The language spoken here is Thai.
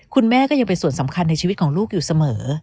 คุณแม่ก็ยังเป็นส่วนสำคัญในชีวิตของลูกอยู่เสมอ